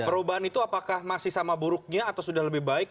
perubahan itu apakah masih sama buruknya atau sudah lebih baik